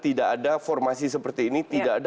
apalagi seandainya mereka bergabung dengan juve